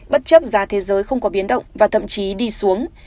bất chấp giá thế giới không có biến động và thậm chí đi xuống